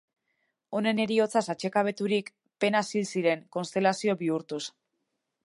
Honen heriotzaz atsekabeturik, penaz hil ziren, konstelazio bihurtuz.